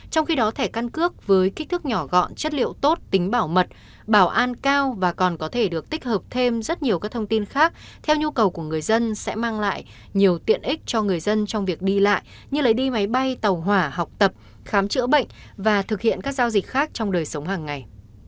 trong khi đó thẻ căn cước với kích thước nhỏ gọn chất liệu tốt tính bảo mật bảo an cao và còn có thể được tích hợp thêm rất nhiều các thông tin khác theo nhu cầu của người dân sẽ mang lại nhiều tiện ích cho người dân trong việc đi lại như lấy đi máy bay tàu hỏa học tập khám chữa bệnh và thực hiện các giao dịch khác trong đời sống hàng ngày